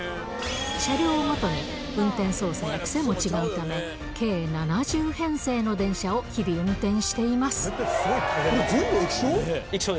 車両ごとに運転操作や癖も違うため、計７０編成の電車を日々、これ、全部液晶？